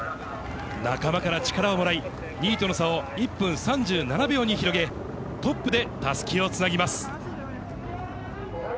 仲間から力をもらい、２位との差を１分３７秒に広げ、トップでたすきをつなぎます。